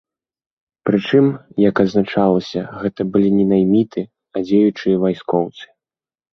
Прычым, як адзначалася, гэта былі не найміты, а дзеючыя вайскоўцы.